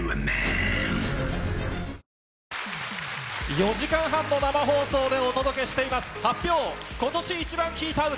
４時間半の生放送でお届けしています、発表！